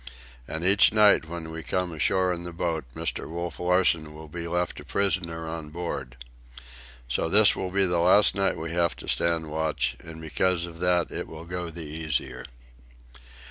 And each night when we come ashore in the boat, Mr. Wolf Larsen will be left a prisoner on board. So this will be the last night we have to stand watch, and because of that it will go the easier."